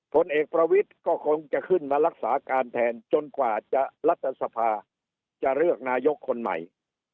ผลเอกประวิทย์ก็คงจะขึ้นมารักษาการแทนจนกว่าจะรัฐสภาจะเลือกนายกคนใหม่